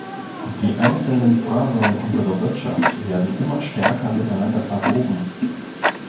Die einzelnen Fasern unserer Wirtschaft werden immer stärker miteinander verwoben.